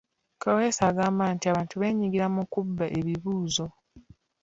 Kaweesa agamba nti abantu beenyigira mu kubba ebibuuzo.